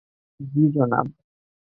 জ্বি, জনাব।